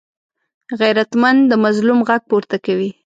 غیرتمند د مظلوم غږ پورته کوي